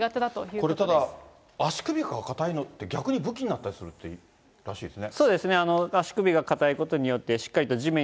これただ、足首が硬いのって、逆に武器になったりするってらしいですね。